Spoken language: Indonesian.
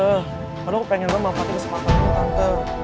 padahal aku pengen banget manfaatnya sepatu aku tante